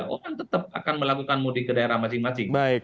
orang tetap akan melakukan mudik ke daerah masing masing